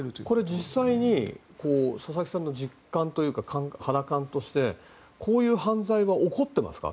実際に佐々木さんの実感、肌感としてこういう犯罪は起こってますか？